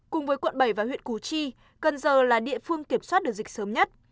cùng với quận bảy và huyện củ chi cần giờ là địa phương kiểm soát được dịch sớm nhất